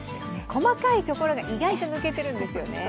細かいところが意外と抜けてるんですよね。